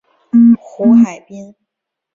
胡海滨。